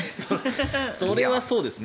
それはそうですね。